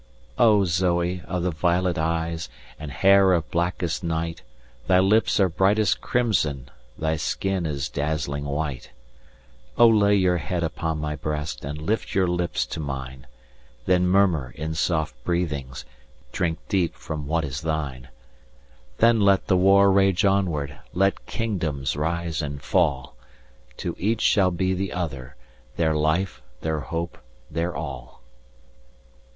"Oh Zoe! of the violet eyes, And hair of blackest night Thy lips are brightest crimson, Thy skin is dazzling white. "Oh! lay your head upon my breast, And lift your lips to mine; Then murmur in soft breathings, Drink deep from what is thine. "Then let the war rage onward, Let kingdoms rise and fall; To each shall be the other, Their life, their hope, their all."